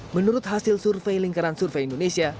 menurut hasil survei lingkaran survei indonesia